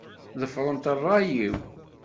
Ḍefṛemt ṛṛay-iw.